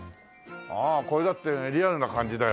ああこれだってリアルな感じだよ。